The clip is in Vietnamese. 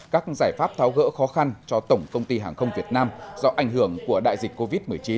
các giải pháp tháo gỡ khó khăn cho tổng công ty hàng không việt nam do ảnh hưởng của đại dịch covid một mươi chín